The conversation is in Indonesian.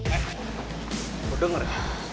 eh lo denger ya